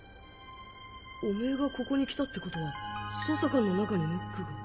おめぇがここに来たってことは捜査官の中にノックが。